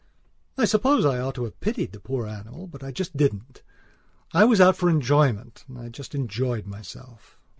I suppose I ought to have pitied the poor animal; but I just didn't. I was out for enjoyment. And I just enjoyed myself.